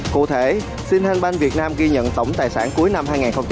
cụ thể sinh thanh banh việt nam ghi nhận tổng tài sản cuối năm hai nghìn hai mươi một